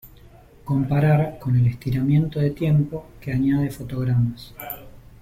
Comparar con el estiramiento de tiempo, que añade fotogramas.